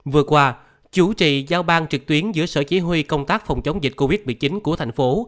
vừa qua chủ trì giao ban trực tuyến giữa sở chỉ huy công tác phòng chống dịch covid một mươi chín của thành phố